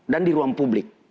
dan di ruang publik